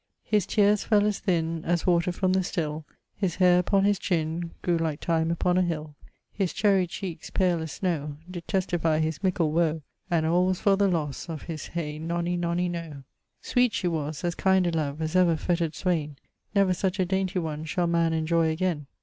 His teares fell as thinne As water from the still, His haire upon his chinne Grew like thyme upon a hill, His cherry cheekes pale as snowe Did testifye his mickle woe, And all was for the losse of his Hye nonny nonny noe. Sweet she was, as kind a love As ever fetter'd swayne; Never such a daynty one Shall man enjoy again.